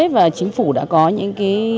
và chính phủ đã có những cái